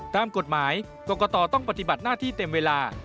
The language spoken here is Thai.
ตามกฎหมายกรกตต้องปฏิบัติหน้าที่เต็มเวลา